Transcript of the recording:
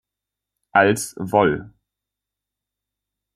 Als Vol.